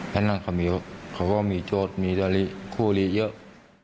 ดังนั้นเขามีโจทย์มีคู่อลีเยอะ